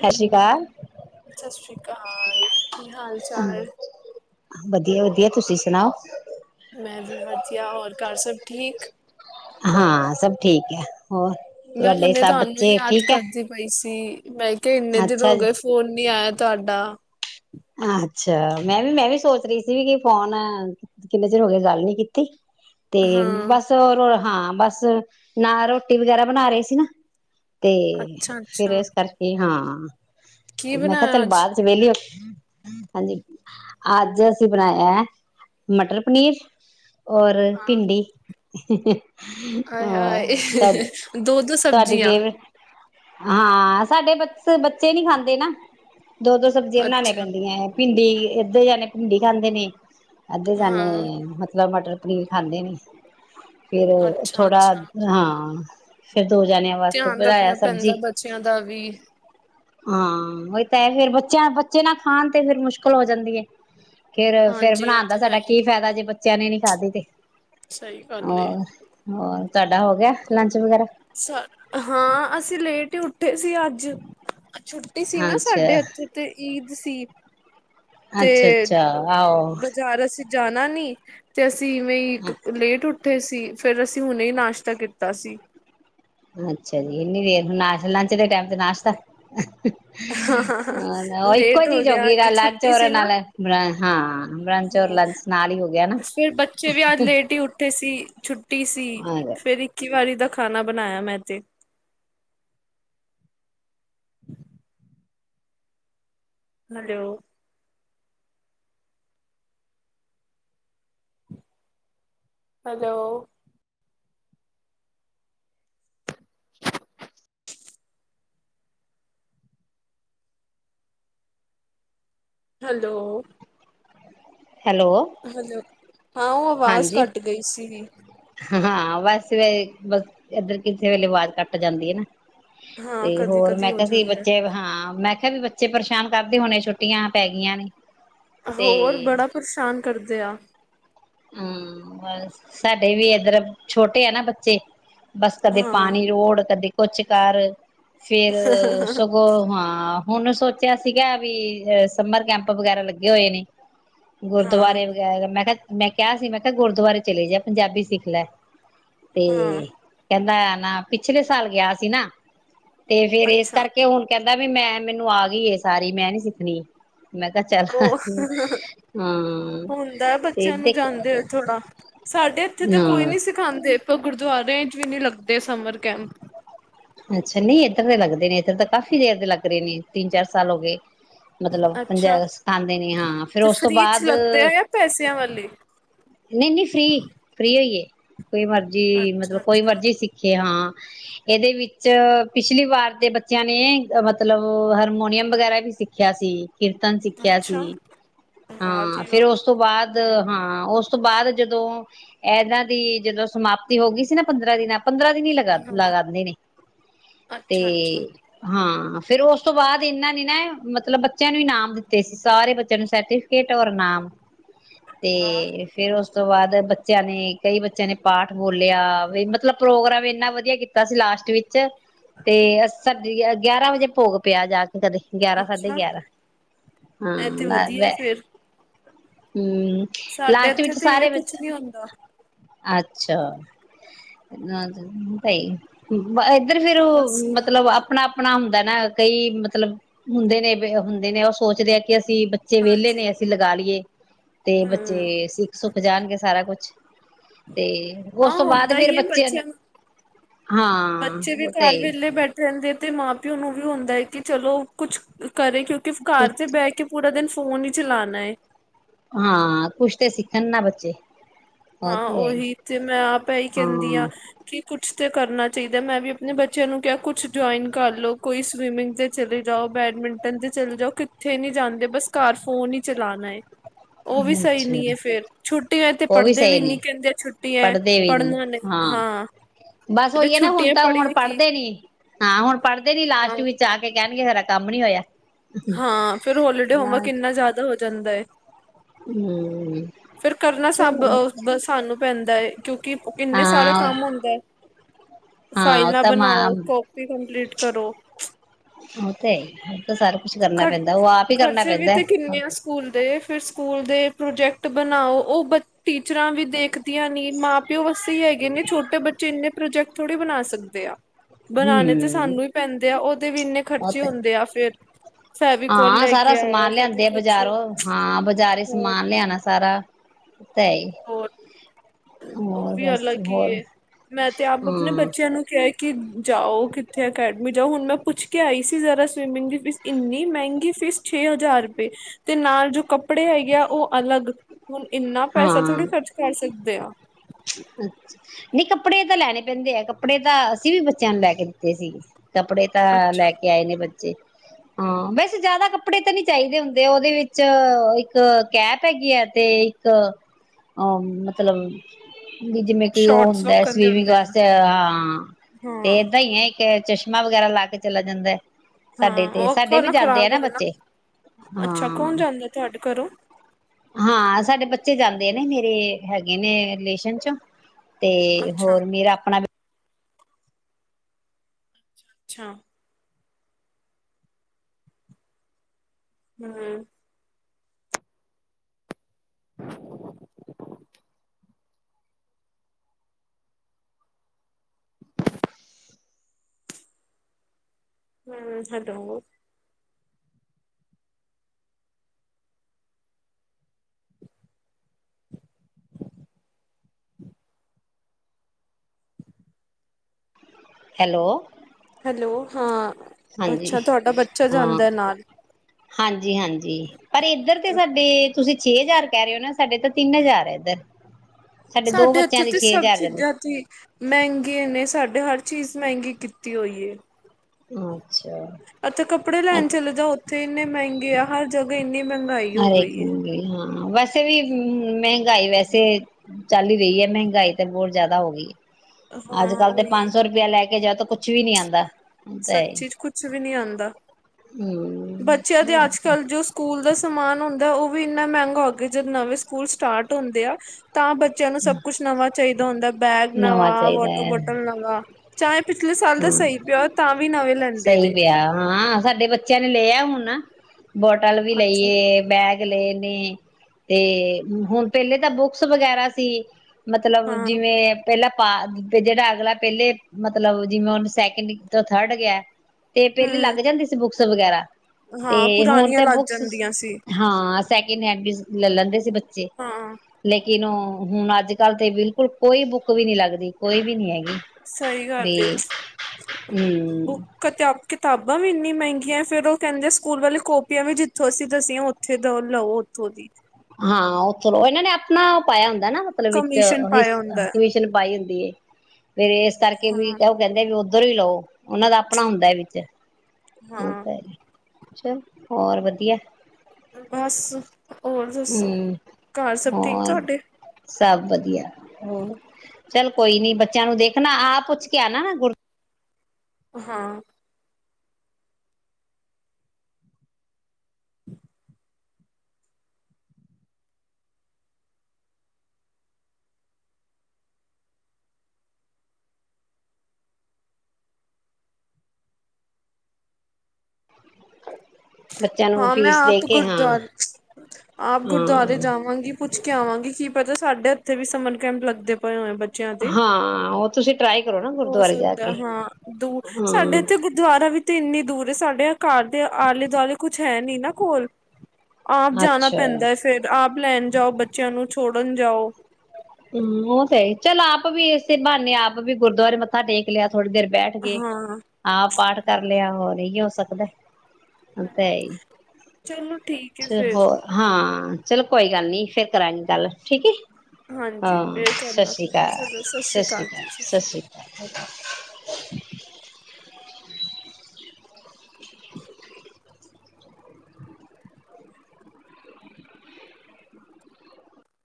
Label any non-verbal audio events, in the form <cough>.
ਸਤਿ ਸ਼੍ਰੀ ਅਕਾਲ ਸਤਿ ਸ੍ਰੀ ਅਕਾਲ। ਕੀ ਹਾਲ ਚਾਲ। ਵਧੀਆ ਵਧੀਆ ਤੁਸੀਂ ਸੁਣਾਓ। ਮੈਂ ਵੀ ਵਧੀਆ ਹੋਰ ਘਰ ਸਬ ਠੀਕ। ਹਾਂ, ਸਭ ਠੀਕ ਐ। ਮੈਂ ਹੁਣੇੇ ਤੁਹਾਨੂੰ ਯਾਦ ਹੈ ਕਰਦੀ ਪਈ ਸੀ। ਮੈਂ ਕਿਹਾ ਇੰਨੇ ਦਿਨ ਅੱਛਾ ਹੋ ਜੀ ਗਏ ਫੋਨ ਨੀ ਆਇਆ ਤੁਹਾਡਾ ਅੱਛਾ, ਮੈਂ ਵੀ ਮੈਂ ਵੀ ਸੋਚ ਰਹੀ ਸੀ ਕਿ ਫੋਨ ਕਿੰਨੇ ਚਿਰ ਹੋ ਕੇ ਗੱਲ ਨੀ ਕੀਤੀ। ਤੇ ਹਾਂ ਬਸ ਰੋ ਹਾਂ, ਬਸ ਨਾ ਰੋਟੀ ਵਗੈਰਾ ਬਣਾ ਰਹੇ ਸੀ ਨਾ। ਤੇ ਅੱਛਾ ਫਿਰ ਅੱਛਾ ਇਸ ਕਰਕੇ ਹਾਂ। ਕੀ ਤੇ ਮੈਂ ਕਿਹਾ ਬਣਾਇਆ ਚੱਲ ਅੱਜ ਬਾਅਦ ਚ ਵਿਹਲੀ ਹੋ ਕੇ <unintelligible> ਹਾਂਜੀ, ਅੱਜ ਅਸੀਂ ਬਣਾਇਆ ਮਟਰ ਪਨੀਰ। ਹੋਰ ਹਾਂ ਭਿੰਡੀ। <unintelligible> ਆਏ ਹਾਏ ਤੁਹਾਡੀ ਦੋ-ਦੋ ਤੁਹਾਡੀ ਸਬਜ਼ੀਆਂ। ਫੇਵਰੇਟ ਹਾਂ, ਸਾਡੇ ਬ ਬੱਚੇ ਨੀ ਖਾਂਦੇ ਨਾ। ਦੋ-ਦੋ ਸਬਜ਼ੀਆਂ ਬਨਾਨੇ ਅੱਛਾ ਪੈਂਦੀਆਂ ਐ। ਭਿੰਡੀ ਏਧਰ ਜਾਣੇ ਭਿੰਡੀ ਖਾਂਦੇ ਨੇ ਅਧੇ ਹਾਂ ਜਾਣੇੇ ਮਤਲਬ ਮਟਰ ਪਣੀਰ ਖਾਂਦੇ ਨੀਂ ਫਿਰ ਅੱਛਾ ਥੋੜਾ, ਅੱਛਾ ਹਾਂ। ਫਿਰ ਦੋ ਜਾਣਿਆਂ ਵਾਸਤੇ ਧਿਆਨ ਬਣਾਇਆ ਰੱਖਣਾ ਸਬਜ਼ੀ। ਪੈਂਦਾ ਬੱਚਿਆਂ ਦਾ ਵੀ ਹਾਂ, ਉਹੀ ਤੇ ਫੇਰ ਬੱਚਿਆਂ ਬੱਚੇ ਨਾ ਖਾਣ ਤੇ ਫਿਰ ਮੁਸ਼ਕਿਲ ਹੋ ਜਾਂਦੀ ਐ। ਫੇਰ ਫੇਰ ਹਾਂਜੀ ਉਹ ਬਣਾਉਣ ਦਾ ਤੇ ਹੈ ਸਾਡਾ ਹੀ ਕੀ ਫਾਇਦਾ ਜੇ ਬਚ ਚਣੇ ਨੀ ਖਾਦੇ ਦੇ ਸਹੀ ਗੱਲ ਏ ਹੋਰ ਹੋਰ ਤੁਹਾਡਾ ਹੋ ਗਿਆ ਲੰਚ ਵਗੈਰਾ ਹਾਂ ਅਸੀਂ ਲੇਟ ਹੀ ਉਠ ਫ ਅਸੀਂ ਅੱਜ ਛੁੱਟੀ ਸੀ ਨਾ ਅੱਛਾ ਸਾਡੇ ਉੱਥੇ ਤੇ ਈਦ ਸੀਬ ਤੇ ਅੱਛਾ ਅੱਛਾ ਆਹੋ ਬਾਜ਼ਾਰਾ ਜਾਣਾ ਨੀ ਤੇ ਅਸੀਂ ਜਿਵੇਂ ਇੱਕ ਲੇਟ ਉਠੇ- ਉੱਠੇ ਸੀ ਫੇਰ ਅਸੀਂ ਹੁਣੇ ਹੀ ਨਾਸ਼ਤਾ ਕੀਤਾ। ਕੀਤਾ ਸੀ। ਅੱਛਾ ਜੀ ਇੰਨੀ ਦੇਰ ਹੁਣ ਲੰਚ ਦੇ ਟੈਮ ਤੇ ਨਾਸ਼ਤਾ ਉਹ ਇੱਕੋ ਲੇਟ ਚੀਜ਼ ਹੋ ਗਿਆ ਗਈ ਅੱਜ ਨਾ ਲਚ ਹੋਰ ਨਾ ਹਾਂ ਬਰੰਚ ਔਰ ਹੂੰ ਲੰਚ ਨਾਲ ਹੀ ਹੋ ਗਿਆ ਨਾ ਫਿਰ ਬੱਚੇ ਵੀ ਅੱਜ ਲੇਟ ਹੀ ਉੱਠੇ ਸੀ ਛੁੱਟੀ ਸੀ ਫੇਰ ਇੱਕੀ ਵਾਰੀ ਦਾ ਖਾਣਾ ਬਣਾਇਆ ਮੈਂ ਤੇ। Hello hello hello hello hello ਹਾਂ ਉਹ ਆਵਾਜ਼ ਹਾਂਜੀ ਘੱਟ ਗਈ ਸੀਗੀ। ਹਾਂ ਵੈਸੇ ਬ ਇੱਧਰ ਕਿਸੇ ਵੇਲੇ ਆਵਾਜ਼ ਕੱਟ ਜਾਂਦੀ ਹੈ ਨਾ। ਹਾਂ ਤੇ ਕਦੀ ਹੋਰ ਕਦੀ ਮੈਂ ਹੋ ਕਿਹਾ ਸੀ ਜਾਂਦਾ ਬੱਚੇ ਹਾਂ ਮੈਂ ਫਿਰ ਵੀ ਬੱਚੇ ਪਰੇਸ਼ਾਨ ਕਰਦੇ ਹੋੁਣੇ ਛੁੱਟੀਆਂ ਪੈ ਗਈਆਂ ਨੇ। ਹੋਰ ਤੇ ਬੜਾ ਪਰੇਸ਼ਾਨ ਕਰਦੇ ਆ ਹੂੰ ਬਸ ਸਾਡੇ ਵੀ ਏਧਰ ਛੋਟੇ ਆ ਨਾ ਬੱਚੇ ਬਸ ਕਦੇ ਹਾਂ ਪਾਣੀ ਰੋਡ ਕਦੇ ਕੁਛ ਕਰ ਫੇਰ ਸਗੋਂ ਹਾਂ। ਹੁਣ ਸੋਚਿਆ ਸੀਗਾ ਵੀ ਸਮਰ ਕੈਂਪ ਵਗੈਰਾ ਲੱਗੇ ਹੋਏ ਨੇ। ਹਾਂ ਗੁਰਦੁਆਰੇ ਵਗੈਰਾ ਮੈਂ ਕਿਹਾ ਮੈਂ ਕਿਹਾ ਸੀ ਮੈਂ ਕਿਹਾ ਗੁਰਦੁਆਰੇ ਚਲੇ ਜਾ ਪੰਜਾਬੀ ਸਿੱਖ ਲੈ ਤੇ ਹਾਂ ਕਹਿੰਦਾ ਨਾ ਪਿਛਲੇ ਸਾਲ ਗਿਆ ਸੀ ਨਾ। ਤੇ ਫੇਰ ਇਸ ਅੱਛਾ ਕਰਕੇ ਹੁਣ ਕਹਿੰਦੇ ਕਹਿੰਦਾ ਵੀ ਮੈਂ ਮੈਨੂੰ ਆ ਗਈ ਹੈ ਸਾਰੀ ਮੈਂ ਨੀ ਸਿੱਖਣੀ ਮੈਂ ਚੱਲ ਉਹ ਹੂੰ ਹੁੰਦਾ ਹੈ ਬੱਚਿਆਂ ਨੂੰ ਜਾਣਦੇ ਹੋ ਥੋੜਾ ਸਾਡੇ ਇੱਥੇ ਤੇ ਕੋਈ ਹਾਂ ਨੀਂ ਸਿਖਾਂਦੇ ਗੁਰਦੁਆਰੇ ਵਿੱਚ ਵੀ ਨੀ ਲੱਗਦੇ ਸਮਰ ਕੈਂਪ ਅੱਛਾ ਨਹੀਂ ਇੱਧਰ ਦੇ ਲੱਗਦੇ ਨੇ ਇੱਧਰ ਤਾਂ ਕਾਫ਼ੀ ਦੇਰ ਦੇ ਲੱਗ ਰਹੇ ਨੇ ਤਿੰਨ ਚਾਰ ਸਾਲ ਹੋ ਗਏ। ਮਤਲਬ ਅੱਛਾ ਪੰਜਾ ਸਿਖਾਂਦੇ ਨੇ ਹਾਂ ਫਿਰ ਤੇ ਉਸ ਤੋਂ ਫ੍ਰਰੀ ਚ ਬਾਅਦ ਲੱਗਦੇ ਆ ਜਾਂ ਪੈਸਿਆਂ ਵਾਲੇ ਨਈਂ-ਨਈਂ ਫ੍ਰੀ-ਫਰੀ ਤੇਈਏ। ਕੋਈ ਮਰਜੀ ਅੱਛਾ ਮਤਲਬ ਕੋਈ ਅੱਛਾ ਮਰਜੀ ਸਿੱਖੇ ਹਾਂ ਇਹਦੇ ਵਿੱਚ ਪਿਛਲੀ ਵਾਰ ਦੇ ਬੱਚਿਆਂ ਨੇ ਮਤਲਬ ਹਾਰਮੋਨੀਅਮ ਵਗੈਰਾ ਵੀ ਸਿੱਖਿਆ ਸੀ। ਕੀਰਤਨ ਸਿੱਖਿਆ ਅੱਛਾ ਸੀ ਵਾਹ ਹਾਂ ਜੀ ਵਾਹ ਫੇਰ ਉਸ ਤੋਂ ਬਾਅਦ ਹਾਂ ਉਸ ਉਸ ਤੋਂ ਬਾਅਦ ਜਦੋਂ ਇਹਨਾਂ ਦੀ ਜਦੋਂ ਸਮਾਪਤੀ ਹੋ ਗਈ ਸੀ ਨਾ ਪੰਦਰਾਂ ਦਿਨਾਂ ਪੰਦਰਾਂ ਦਿਨ ਹੀ ਲਗਾ ਹਾਂ ਲਗਾਂਦੇ ਨੇ ਤੇ ਅੱਛਾ ਅੱਛਾ ਹਾਂ ਫਿਰ ਉਸ ਤੋਂ ਬਾਅਦ ਇਹਨਾਂ ਨੇ ਨਾ ਮਤਲਬ ਬੱਚਿਆਂ ਨੂੰ ਇਨਾਮ ਦਿੱਤੇ ਸੀ ਸਾਰੇ ਬੱਚਿਆਂ ਨੂੰ ਸਰਟੀਫਿਕੇਟ ਔਰ ਨਾਮ ਤੇ- ਉਸ ਤੋਂ ਬਾਅਦ ਬੱਚਿਆਂ ਨੇ ਕਈ ਬੱਚਿਆਂ ਨੇ ਪਾਠ ਬੋਲਿਆ ਵੀ ਮਤਲਬ ਪ੍ਰੋਗਰਾਮ ਇੰਨਾ ਵਧੀਆ ਕੀਤਾ ਸੀ ਲਾਸਟ ਵਿੱਚ ਤੇ ਸਾ ਗਿਆਰਾਂ ਵਜੇ ਭੋਗ ਪਿਆ ਜਾ ਕੇ ਕਦੇ ਗਿਆਰਾਂ ਸਾਢੇ ਅੱਛਾ ਗਿਆਰਾਂ ਹਾਂ ਇਹ ਤੇ ਹਮ ਵਧੀਆ ਫੇਰ ਹਮ ਸਾਡੇ ਲਾਸਟ ਇੱਥੇ ਵਿੱਚ ਤੇ ਇਵੇਂ ਸਾਰੇ ਕੁਛ ਬੱਚੇ ਨੀਂ ਹੁੰਦਾ। ਅੱਛਾ। <unintelligible> ਇੱਧਰ ਫਿਰ ਉਹ ਬਸ ਮਤਲਬ ਆਪਣਾ ਆਪਣਾ ਹੁੰਦਾ ਨਾ ਕਈ ਮਤਲਬ ਹੁੰਦੇ ਨੇ ਬਅ ਹੁੰਦੇ ਨੇ ਉਹ ਸੋਚਦੇ ਆ ਕਿ ਅਸੀਂ ਬੱਚੇ ਵਿਹਲੇ ਹਾਂਜੀ ਨੇ ਅਸੀਂ ਲਗਾ ਲਈਏ ਤੇ ਬੱਚੇ ਹੂੰ ਸ ਸਿੱਖ ਜਾਣਗੇ ਸਾਰਾ ਕੁਛ। ਤੇ ਹਾਂ ਉਸ ਤੋਂ ਬਾਅਦ ਹੁੰਦਾ ਫੇਰ ਹੀ ਹੈ ਬੱਚਿਆਂ ਨੂੰ, ਹਾਂ, ਬੱਚੇ ਵੀ ਉਹ ਤਾਂ ਹੈ ਘਰ ਈ ਵੇਲੇ ਬੈਠੇ ਰਹਿੰਦੇ ਤੇ ਮਾਂ ਪਿਓ ਨੂੰ ਵੀ ਹੁੰਦਾ ਐ ਕਿ ਚਲੋ ਕੁਛ ਕਰੇ ਕਿਉਂਕਿ ਕੁਛ ਘਰ ਚ ਬਹਿ ਕੇ ਪੂਰਾ ਦਿਨ ਫੋਨ ਹੀ ਚਲਾਣਾ--‌ ਹਾਂ, ਕੁਛ ਤਾਂ ਸਿੱਖਣ ਨਾ ਬੱਚੇ ਉਹ ਹਾਂ ਤੇ ਹੈ ਉਹੀ ਤੇ ਮੈਂ ਆਪੈ ਹੀ ਕਹਿੰਦੀ ਆਂ ਹਾਂ ਕਿ ਕੁੱਛ ਤੇ ਕਰਨਾ ਚਾਹੀਦਾ ਮੈਂ ਵੀ ਆਪਣੇ ਬੱਚਿਆਂ ਨੂੰ ਕਿਹਾ ਕੁਛ ਜੁਆਇਨ ਕਰ ਲਓ ਕੋਈ ਸਵੀਮਿੰਗ ਤੇ ਚਲੇ ਜਾਓ, ਬੈਡਮਿੰਟਨ ਤੇ ਚਲੇ ਜਾਓ ਕਿੱਥੇ ਨਹੀਂ ਜਾਂਦੇ ਬਸ ਘਰ ਫੋਨ ਹੀ ਚਲਾਣਾ ਏ। ਉਹ ਵੀ ਸਹੀ ਅੱਛਾ ਨੀਂ ਐ ਫਿਰ ਛੁੱ ਉਹ ਪੜ੍ਹਦੇ ਵੀ ਸਹੀ ਨੀ ਨੇ ਕਹਿੰਦੇ ਛੁੱਟੀ ਐ, ਪੜ੍ਹਦੇ ਵੀ ਨੀ ਪੜ੍ਹਨਾ ਨਈਂ। ਹਾਂ। ਬਸ ਅਰੇ ਉਹੀਏ ਨਾ ਹੁਣ ਛੁੱਟੀਆਂ ਤਾਂ ਹੁਣ ਪੜੀਆਂ ਕੀ ਪੜ੍ਹਦੇ ਨੀ ਹਾਂ ਹੁਣ ਪੜ੍ਹਦੇ ਨੀ ਹਾਂ ਲਾਸਟ ਵਿੱਚ ਆ ਕੇ। ਕਹਿਣਗੇ ਹਰਾ ਕੰਮ ਨੀ ਹੋਇਆ। ਹਾਂ ਫਿਰ ਹੋਲੀਡੇ ਹੋਮਵਰਕ ਇੰਨਾ ਜ਼ਿਆਦਾ ਹੋ ਜਾਂਦਾ ਏ। ਫਿਰ ਕਰਨਾ ਚ ਸਭ ਸਾਨੂੰ ਪੈਂਦਾ ਏ ਕਿਉਂਕਿ ਕਿੰਨੇ ਸਾਰਾ ਹਾਂ ਕੰਮ ਹੁੰਦੇ ਹਾਂ ਉਹ ਫਾਈਲਾਂ ਤਾਂ ਮਾਂ ਬਣਾਓ ਕਾਪੀ ਕੰਪਲੀਟ ਕਰੋ। ਉਹ ਤੇ ਤਾਂ ਸਾਰਾ ਕੁਛ ਕਰਨਾ ਖਰ ਪੈਂਦਾ ਉਹ ਆਪ ਹੀ ਕਰਨਾ ਖ਼ਰਚੇ ਵੀ ਪੈਂਦਾ ਤੇ ਕਿੰਨੇ ਆ ਸਕੂਲ ਦੇ ਫਿਰ ਸਕੂਲ ਦੇ ਪ੍ਰੋਜੈਕਟ ਬਣਾਓ ਉਹ ਬ ਟੀਚਰਾਂ ਵੀ ਦੇਖਦੀਆਂ ਨੀ ਮਾਂ ਪਿਓ ਵਸਤੇ ਹੀ ਹੈਗੇ ਨੇ ਛੋਟੇ ਬੱਚੇ ਇੰਨੇ ਪ੍ਰੋਜੈਕਟ ਥੋੜ੍ਹੇ ਬਣਾ ਸਕਦੇ ਆ। ਬਣਾਣੇ ਤੇ ਹੂੰ ਸਾਨੂੰ ਵੀ ਪੈਂਦੇ ਆ ਉਹਦੇ ਵੀ ਇੰਨੇ ਉਹ ਖਰਚੇ ਤੇ ਹੁੰਦੇ ਆ ਫਿਰ ਫੈਵੀਕੋਲ ਹਾਂ ਲੈ ਸਾਰਾ ਕੇ ਆਇਆ ਸਮਾਨ ਕਦੇ ਲਿਆਂਦੇ ਆ ਕੁਛ ਬਜ਼ਾਰੋਂ ਹਾਂ ਬਾਜ਼ਾਰੀ ਹੋਰ ਸਮਾਨ ਲਿਆਣਾ ਸਾਰਾ ਸਹੀ ਹੋਰ ਉਹ ਵੀ ਅਲੱਗ ਹੀ ਮੈਂ ਤੇ ਆਪ ਆਪਣੇ ਹਾਂ ਬੱਚਿਆਂ ਨੂੰ ਕਿਹਾ ਕਿ ਜਾਓ ਕਿੱਥੇ ਅਕੈਡਮੀ ਜਾਓ ਹੁਣ ਮੈਂ ਪੁੱਛ ਕੇ ਆਈ ਸੀ ਜ਼ਰਾ ਸਵੀਮਿੰਗ ਦੀ ਫੀਸ ਇੰਨੀ ਮਹਿੰਗੀ ਫੀਸ ਛੇ ਹਜ਼ਾਰ ਰੁਪਏ ਤੇ ਨਾਲ ਜੋ ਕੱਪੜੇ ਹੈਗੇ ਆ ਉਹ ਅਲੱਗ ਹੁਣ ਇੰਨਾ ਪੈਸਾ ਥੋੜ੍ਹੀ ਖਰਚ ਕਰ ਸਕਦੇ ਆ। ਅੱ ਨਹੀਂ ਕੱਪੜੇ ਤਾਂ ਲੈਣੇ ਪੈਂਦੇ ਹੈ ਕੱਪੜੇ ਤਾਂ ਅਸੀਂ ਵੀ ਬੱਚਿਆਂ ਨੂੰ ਲੈ ਕੇ ਦਿੱਤੇ ਸੀ। ਕੱਪੜੇ ਤਾਂ ਅੱਛਾ ਲੈ ਕੇ ਆਏ ਨੇ ਬਚੇ ਹਾਂ ਵੈਸੇ ਜ਼ਿਆਦਾ ਕੱਪੜੇ ਤਾਂ ਨੀ ਚਾਹੀਦੇ ਹੁੰਦੇ ਉਹਦੇ ਵਿੱਚ ਇੱਕ ਕੈਪ ਹੈਗੀ ਆ ਤੇ ਇੱਕ ਅ ਮਤਲਬ ਵੀ ਜਿਵੇਂ ਕਿ ਉਹ ਸ਼ੋਰਟਸ ਹੁੰਦਾ ਵੱਕਣ ਦੇ ਸਵੀਮਿੰਗ ਹੁੰਦੇ ਆ। ਵਾਸਤੇ ਹਾਂ ਤੇ ਹਾਂ ਏਦਾਂ ਹੀ ਹੈ ਇੱਕ ਚਸ਼ਮਾ ਨਾਲ ਵਗੈਰਾ ਲਾ ਕੇ ਚਲਾ ਜਾਂਦਾ ਏ। ਸਾਡੇ ਹਾਂ ਤੇ ਉਹ ਸਾਡੇ ਅੱਖਾਂ ਵੀ ਜਾਂਦੇ ਆ ਖ਼ਰਾਬ ਨਾ ਹੋਏ ਬੱਚੇ ਅੱਛਾ ਕੌਣ ਹਾਂ ਜਾਂਦਾ ਤੁਹਾਡੇ ਘਰੋਂ? ਹਾਂ ਸਾਡੇ ਬਚੇ ਜਾਂਦੇ ਨੇ ਮੇਰੇ ਹੈਗੇ ਨੇ ਅੱਛਾ ਤੇ ਅੱਛਾ। ਹੋਰ ਮੇਰਾ ਆਪਣਾ ਵੀ ਅੱਛਾ ਹੂੰ ਹੂੰ ਹੈਲੋ ਹੈਲੋ ਹੈਲੋ ਹਾਂ ਹਾਂਜੀ ਅੱਛਾ ਤੁਹਾਡਾ ਬੱਚਾ ਹਾਂ ਜਾਂਦਾ ਹੈ ਨਾਲ। ਹਾਂਜੀ ਹਾਂਜੀ ਪਰ ਇੱਧਰ ਤੇ ਸਾਡੇ ਤੁਸੀਂ ਛੇ ਹਜ਼ਾਰ ਕਹਿ ਰਹੇ ਹੋ ਨਾ ਸਾਡੇ ਤਾਂ ਤਿੰਨ ਹਜ਼ਾਰ ਹੈ ਇੱਧਰ ਦੋ ਸਾਡੇ ਬੱਚਿਆਂ ਇੱਥੇ ਦੀ ਤੇ ਛੇ ਸਭ ਹਜ਼ਾਰ ਜਾਂਦੀ ਚੀਜ਼ਾਂ ਠੀਕ ਮਹਿੰਗੀਆਂ ਨੇ ਸਾਡੇ ਹਰ ਚੀਜ਼ ਮਹਿੰਗੀ ਕੀਤੀ ਹੋਈ ਐ ਇੱਥੇ ਕੱਪੜੇ ਅੱਛਾ ਲੈਣ ਚਲੇ ਜਾ ਉੱਥੇ ਇੰਨੇ ਮਹਿੰਗੇ ਆ ਹਰ ਜਗਾ ਇੰਨੀ ਮਹਿੰਗਾਈ ਹੋ ਹਰੇ ਕਿ ਗਈ ਏ। ਮੰ ਹਾਂ ਵੈਸੇ ਵੀ ਮਹਿੰਗਾਈ ਵੈਸੇ ਚੱਲ ਈ ਰਹੀ ਹੈ ਮਹਿੰਗਾਈ ਤਾਂ ਬਹੁਤ ਜ਼ਿਆਦਾ ਹੋ ਗਈ ਅੱਜ ਹਾਂ ਕੱਲ ਤੇ ਉਹੀ ਪੰਜ ਸੌ ਰੁਪਇਆ ਲੈ ਕੇ ਜਾਓ ਤਾਂ ਕੁੱਛ ਵੀ ਨਹੀਂ ਆਉਂਦਾ ਤੇ ਸੱਚੀ ਕੁਛ ਵੀ ਨਹੀਂ ਆਉਂਦਾ ਹਮ ਬੱਚਿਆਂ ਦੇ ਅੱਜ ਕੱਲ੍ਹ ਜੋ ਸਕੂਲ ਦਾ ਸਮਾਨ ਹੁੰਦਾ ਉਹ ਵੀ ਇੰਨਾ ਮਹਿੰਗਾ ਹੋ ਗਿਆ ਜਦ ਨਵੇਂ ਸਕੂਲ ਸਟਾਰਟ ਹੁੰਦੇ ਆ ਤਾਂ ਬੱਚਿਆਂ ਨੂੰ ਸਭ ਕੁਛ ਨਵਾਂ ਚਾਹੀਦਾ ਹੁੰਦਾ ਬੈਗ ਨਵਾਂ ਚਾਹੀਦਾ ਵੋਟਰ ਹੈ ਬੋਟਲ ਨਵਾਂ ਚਾਹ ਪਿਛਲੇ ਸਾਲ ਦਾ ਹਾਂ ਸਹੀ ਪਿਆ ਤਾਂ ਵੀ ਨਵੇਂ ਲੈਂਦੇ ਸਹੀ ਨੇ ਪਿਆ ਹਾਂ ਸਾਡੇ ਬੱਚਿਆਂ ਨੇ ਲਿਆ ਹੁਣ ਬੋਟਲ ਵੀ ਅੱਛਾ ਲਈਏ ਬੈਗ ਲਏ ਨੇ ਤੇ ਹੁਣ ਪਹਿਲੇ ਤਾਂ ਬੁੱਕਸ ਵਗੈਰਾ ਸੀ ਮਤਲਬ ਹਾਂ ਜਿਵੇਂ ਪਹਿਲਾਂ ਪਾ ਤੇ ਜਿਹੜਾ ਅਗਲਾ ਪਹਿਲੇ ਮਤਲਬ ਜਿਵੇਂ ਹੁਣ ਸੈਕਿੰਡ ਤੋਂ ਥਰਡ ਗਿਆ ਤੇ ਪਹਿਲੇ ਹੂੰ ਲੱਗ ਜਾਂਦੀ ਸੀ ਬੁੱਕਸ ਵਗੈਰਾ ਹਾਂ ਤੇ ਹੁਣ ਪੁਰਾਣੀਆਂ ਤੇ ਲੱਗ ਬੁੱਕਸ ਜਾਂਦੀਆਂ ਸੀ ਹਾਂ ਸੈਕਿੰਡ ਹੈਂਡ ਵੀ ਲੈ ਲੈਂਦੇ ਸੀ ਬੱਚੇ ਹਾਂ ਲੇਕਿਨ ਉਹ ਹੁਣ ਅੱਜ ਕੱਲ ਤੇ ਬਿਲਕੁਲ ਕੋਈ ਬੁੱਕ ਵੀ ਨੀ ਲੱਗਦੀ ਕੋਈ ਵੀ ਨੀ ਹੈਗੀ ਸਹੀ ਗੱਲ ਵੀ ਐ ਹਮ ਕਿਤਾਬਾਂ ਵੀ ਇੰਹਨੀ ਮਹਿੰਗੀਆਂ ਫਿਰ ਉਹ ਕਹਿੰਦੇ ਸਕੂਲ ਵਾਲੇ ਕਾਪੀਆਂ ਵੀ ਜਿੱਥੋਂ ਅਸੀਂ ਦੱਸੀਆਂ ਉੱਥੇ ਲਵੋ ਉੱਥੋਂ ਦੀ ਹਾਂ ਉਹਥਰੋ ਇਹਨਾਂ ਨੇ ਆਪਣਾ ਪਾਇਆ ਹੁੰਦਾ ਦਾ ਨਾ ਮਤਲਬ ਵਿੱਚ ਕਮਿਸ਼ਨ ਪਾਇਆ ਹੁੰਦਾ ਹੈ ਕਮਿਸ਼ਨ ਪਾਈ ਹੁੰਦੀ ਏ ਫੇਰ ਇਸ ਕਰਕੇ ਵੀ ਹਾਂ ਉਹ ਕਹਿੰਦੇ ਵੀ ਉਧਰ ਵੀ ਲਓ ਉਹਨਾਂ ਦਾ ਆਪਣਾ ਹੁੰਦਾ ਹੈ ਵਿੱਚ ਅਹ ਹਾਂ ਸ ਚਲ ਹੋਰ ਵਧੀਆ ਬਸ ਹੋਰ ਦੱਸੋ ਹੂੰ ਘਰ ਸਭ ਠੀਕ ਹੋਰ ਤੁਹਾਡੇ ਸਭ ਵਧੀਆ ਹੋਰ ਚੱਲ ਕੋਈ ਨੀ ਬੱਚਿਆਂ ਨੂੰ ਦੇਖਣਾ ਆਪ ਪੁੱਛ ਕੇ ਆਣਾ ਨਾ ਗੁਰ ਹਾਂ ਬੱਚਿਆਂ ਨੂੰ ਹਾਂ ਮੈਂ ਫੀਸ ਦੇ ਆਪ ਕੇ ਹਾਂ। ਗੁਰਦੁਆਰੇ ਆਪ ਗੁਰਦੁਆਰੇ ਹਾਂ ਜਾਵਾਂਗੀ ਪੁੱਛ ਕੇ ਆਵਾਂਗੇ ਕੀ ਪਤਾ ਸਾਡੇ ਹੱਥੇ ਵੀ ਸਮਨ ਕੈਂਪ ਲੱਗਦੇ ਪਏ ਹੋਏ ਬੱਚਿਆਂ ਦੇ ਹਾਂ ਉਹ ਤੁਸੀਂ ਟਰਾਈ ਕਰੋ ਨਾ ਹੋ ਗੁਰਦੁਆਰੇ ਜਾ ਸਕਦਾ ਕੇ ਹਾਂ ਦੂਰ ਸਾਡੇ ਹਾਂ ਇੱਥੇ ਗੁਰਦੁਆਰਾ ਵੀ ਤੇ ਇੰਨੀ ਦੂੂਰ ਸਾਡੇ ਘਰ ਦੇ ਆਲੇ ਦੁਆਲੇ ਕੁਛ ਹੈ ਨੀ ਨਾ ਕੋਲ ਆਪ ਜਾਣਾ ਅੱਛਾ। ਪੈਂਦਾ ਹੈ ਫੇਰ ਆਪ ਲੈਣ ਜਾਓ ਬੱਚਿਆਂ ਨੂੰ ਛੋੜਨ ਜਾਓ ਹੂ ਉਹ ਤੇ ਹੈ ਹੀ, ਚੱਲ ਆਪ ਵੀ ਬਹਾਨੇ ਆਪ ਵੀ ਗੁਰਦੁਆਰੇ ਮੱਥਾ ਟੇਕ ਲਿਆ ਥੋੜ੍ਹੀ ਦੇਰ ਬੈਠ ਗਏ ਹਾਂ ਆ ਪਾਠ ਕਰ ਲਿਆ ਹੋਰ ਏਹੀ ਹੋ ਸਕਦਾ ਔ ਤੇ ਹੈ ਹੀ, ਚਲੋ ਠੀਕ ਹੈ ਚੱਲ ਫਿਰ ਹੋਰ ਹਾਂ ਚਲੋ ਕੋਈ ਗੱਲ ਨੀ ਫੇਰ ਕਰਾਂਗੀ ਗੱਲ ਠੀਕ ਹੈ ਹਾਂਜੀ ਹਾਂ ਫਿਰ ਸਤਿ ਕਰਨਾ ਸ਼੍ਰੀ ਫੋਨ ਅਕਾਲ ਚਲੋ ਸਤਿ ਸ਼੍ਰੀ ਅਕਾਲ ਜੀ ਸਤਿ ਸ਼੍ਰੀ ਅਕਾਲ ਅਕਾਲ